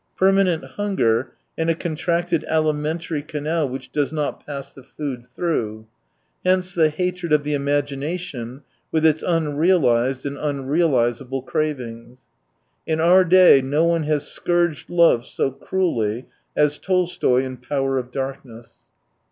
Per manent hunger, and a contracted alimehtary canal, which does not pass the food through. Hence the hatred of the imagination, with its unrealised and unrealisable cravings. ... In our day no one has scourged love so cruelly as Tolstoy in Power of Darkness.